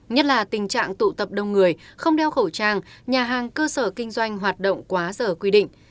nhất là tình trạng tụ tập đông người không đeo khẩu trang nhà hàng cơ sở kinh doanh hoạt động quá giờ quy định